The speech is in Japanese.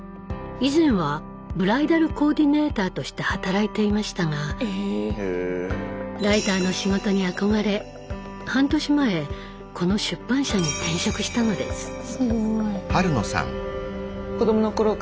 以前はブライダルコーディネーターとして働いていましたがライターの仕事に憧れ半年前この出版社に転職したのです。